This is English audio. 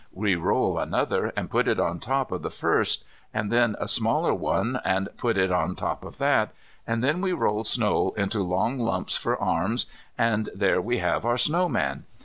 We roll another and put it on the top of the first, and then a smaller one and put it on the top of that, and then we roll snow into long lumps for arms, and there we have our snow man.